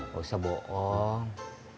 gak usah bohong